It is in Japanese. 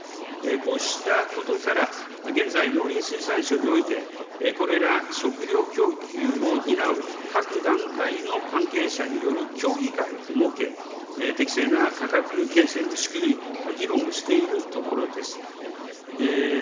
こうしたことから、現在、農林水産省において、これら食料供給を担う各段階の関係者による協議会を設け、適正な価格形成の仕組み、議論をしているところです。